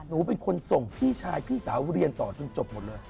หนูเป็นคนส่งพี่ชายพี่สาวเรียนต่อจนจบหมดเลย